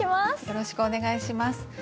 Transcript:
よろしくお願いします。